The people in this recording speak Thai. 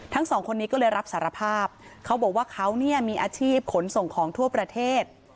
ทั้งสองคนนี้ก็เลยรับสารภาพเขาบอกว่าเขาเนี่ยมีอาชีพขนส่งของทั่วประเทศ